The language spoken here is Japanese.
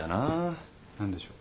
何でしょう？